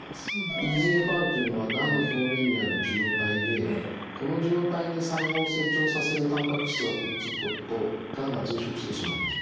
ＥＧＦＲというのはがんの表面にある受容体でこの受容体に細胞を成長させるたんぱく質がくっつくとがんが増殖してしまいます。